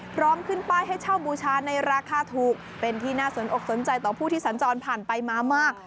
พร้อมขึ้นป้ายให้เช่าบูชาในราคาถูกเป็นที่น่าสนอกสนใจต่อผู้ที่สัญจรผ่านไปมามาก